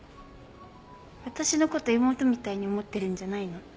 私のこと妹みたいに思ってるんじゃないの？